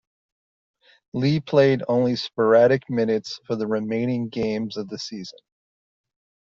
Lee played only sporadic minutes for the remaining games of the season.